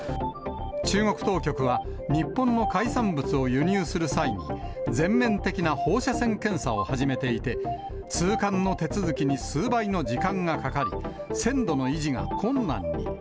中国当局は、日本の海産物を輸入する際に、全面的な放射線検査を始めていて、通関の手続きに数倍の時間がかかり、鮮度の維持が困難に。